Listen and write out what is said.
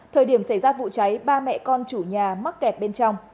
thời điểm xảy ra vụ cháy ba mẹ con chủ nhà mắc kẹt bên trong